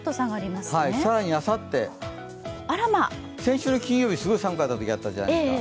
更にあさって、先週の金曜日すごい寒かったときがあったじゃないですか。